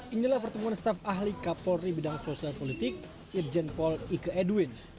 inilah pertemuan staf ahli kapor di bidang sosial politik irjen pol ike edwin